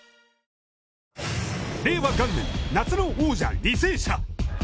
令和元年、夏の王者・履正社。